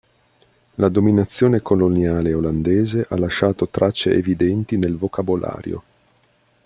La dominazione coloniale olandese ha lasciato tracce evidenti nel vocabolario.